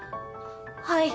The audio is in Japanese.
はい。